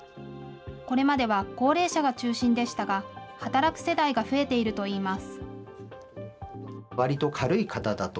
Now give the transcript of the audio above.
これまでは高齢者が中心でしたが、働く世代が増えているといいます。